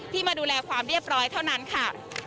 มาดูแลความเรียบร้อยเท่านั้นค่ะ